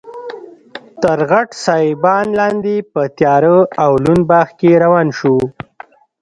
تر غټ سایبان لاندې په تیاره او لوند باغ کې روان شوو.